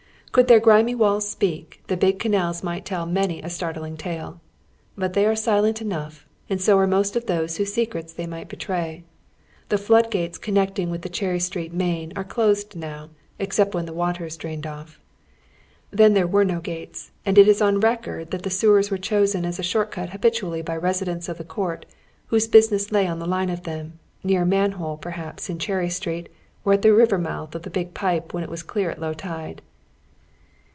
Could their grimy walls speak, the big eanale might tell many a start ■ ling tale. But they are silent enough, and so are most of those whose secrets tliey miglit betray. The flood gates connecting witli the Cherry Street main are closed now, except when the water is drained off. Then there wei'e no gates, and it is on record that the sewers were chosen as a shoi't cut habitually by residents of the court whose business lay on the line of them, near a manhole, perhaps, in Cherry Street, or at the river month of the big pipe when it was clear at low tide.